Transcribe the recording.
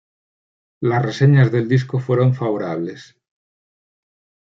Las reseñas del disco fueron favorables.